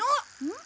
ん？